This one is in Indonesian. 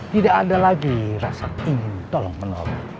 tidak ada lagi rasa ingin tolong menolong